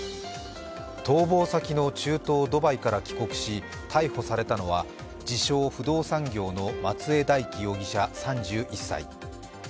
逃亡先の中東ドバイから帰国し逮捕されたのは自称・不動産業の松江大樹容疑者３１歳。